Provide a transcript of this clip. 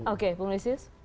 oke punggul isis